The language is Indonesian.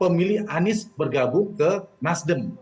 pemilih anies bergabung ke nasdem